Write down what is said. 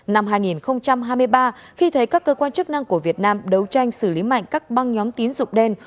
năm hai nghìn hai mươi ba khi thấy các cơ quan chức năng của việt nam đấu tranh xử lý mạnh các băng nhóm tín dụng đen